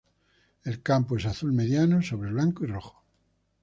El campo es azul mediano sobre blanco y rojo.